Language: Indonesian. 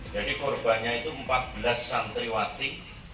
jadi korbannya itu empat belas santriwati